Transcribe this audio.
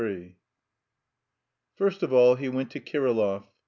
III First of all he went to Kirillov.